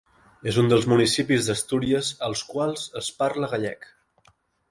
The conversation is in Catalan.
És un dels municipis d'Astúries als quals es parla gallec.